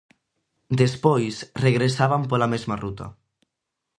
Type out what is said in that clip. Despois, regresaban pola mesma ruta.